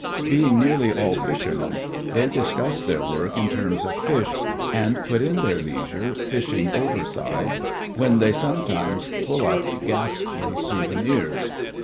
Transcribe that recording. Being nearly all fishermen they discuss their work in terms of fish, and put in their leisure fishing overside, when they sometimes pull up ghastly souvenirs.